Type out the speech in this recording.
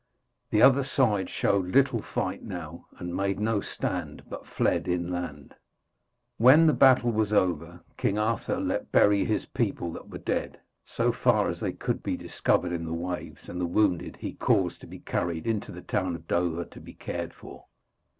The other side showed little fight now, and made no stand, but fled inland. When the battle was over, King Arthur let bury his people that were dead, so far as they could be discovered in the waves; and the wounded he caused to be carried into the town of Dover to be cared for.